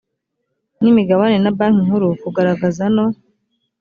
n imigabane na banki nkuru kugaragaza no